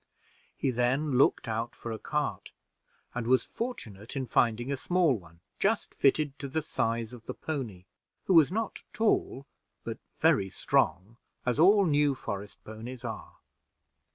He then looked out for a cart, and was fortunate in finding a small one, just fitted to the size of the pony, who was not tall but very strong, as all the New Forest ponies are.